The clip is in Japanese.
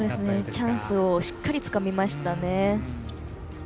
チャンスをしっかりつかみましたね。